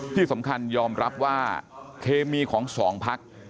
ที่สำคัญยอมรับว่าเคมีของสองพัก